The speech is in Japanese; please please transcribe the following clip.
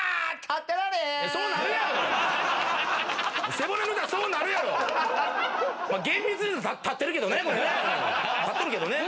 立っとるけどね。